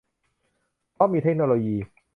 เพราะมีเทคโนโลยี